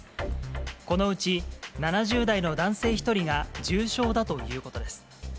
このうち７０代の男性１人が重症だということです。